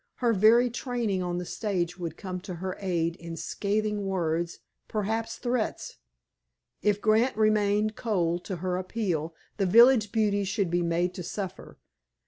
Her very training on the stage would come to her aid in scathing words—perhaps threats. If Grant remained cold to her appeal the village beauty should be made to suffer.